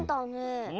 うん。